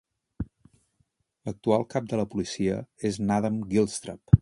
L'actual cap de la policia és n'Adam Gilstrap.